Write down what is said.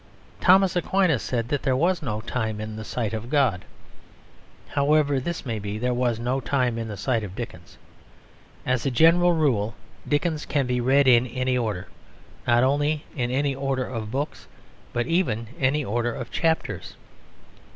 Thomas Aquinas said that there was no time in the sight of God; however this may be, there was no time in the sight of Dickens. As a general rule Dickens can be read in any order; not only in any order of books, but even in any order of chapters.